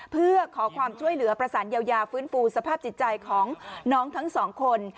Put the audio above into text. เพื่อขอความช่วยเหลือประสานเยียวยาฟื้นฟูสภาพจิตใจของน้องทั้งสองคน